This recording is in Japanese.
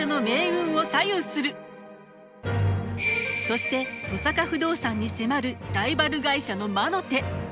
そして登坂不動産に迫るライバル会社の魔の手。